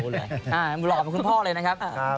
หล่อเป็นคุณพ่อเลยนะครับ